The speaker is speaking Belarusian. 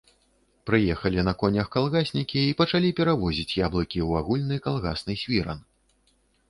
Прыехалі на конях калгаснікі і пачалі перавозіць яблыкі ў агульны калгасны свіран.